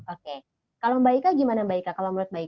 oke kalau mbak ika gimana mbak ika kalau menurut mbak ika